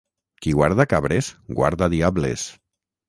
Qui guarda cabres, guarda diables.